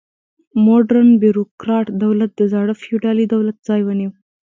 موډرن بیروکراټ دولت د زاړه فیوډالي دولت ځای ونیو.